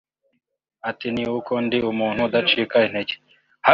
Ati “ Ni uko ndi umuntu udacika integer